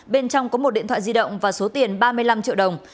bên trong có một điện thoại di động và số tiền ba mươi năm triệu đồng